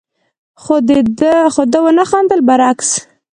خو ده ونه خندل، برعکس،